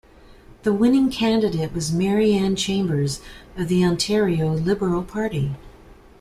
The winning candidate was Mary Anne Chambers of the Ontario Liberal Party.